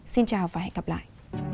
xin chào và hẹn gặp lại